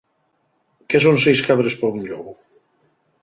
¿Qué son seis cabres pa un llobu?